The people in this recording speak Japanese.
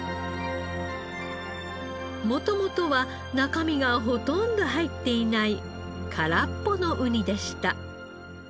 元々は中身がほとんど入っていない空っぽのウニでした。